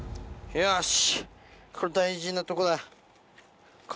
よし。